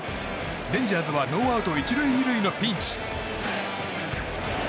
レンジャーズはノーアウト１塁２塁のピンチ。